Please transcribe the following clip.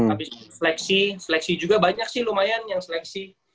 abis itu flexi seleksi juga banyak sih lumayan yang seleksi